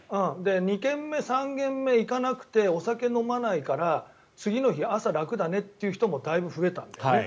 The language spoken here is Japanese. ２軒目、３軒目行かなくてお酒飲まないから次の日、朝楽だねという方もだいぶ増えたと。